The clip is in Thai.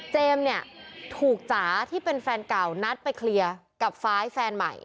เนี่ยถูกจ๋าที่เป็นแฟนเก่านัดไปเคลียร์กับฟ้ายแฟนใหม่